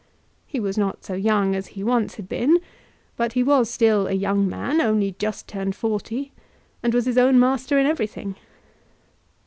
He was not so young as he once had been; but he was still a young man, only just turned forty, and was his own master in everything.